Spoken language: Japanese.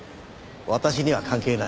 私には関係ない。